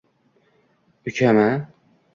Ukam-a